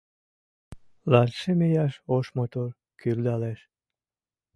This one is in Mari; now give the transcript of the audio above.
Латшым ияш ош мотор кӱлдалеш.